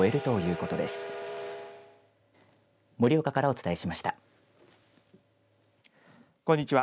こんにちは。